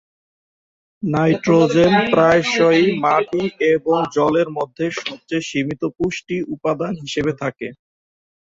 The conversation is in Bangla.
নাইট্রোজেন প্রায়শই মাটি এবং জলের মধ্যে সবচেয়ে সীমিত পুষ্টি উপাদান হিসেবে থাকে।